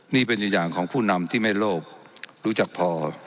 นี่เป็นอย่างของผู้นำที่ไม่โลภรู้จักพอ